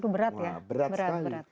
berat ya berat sekali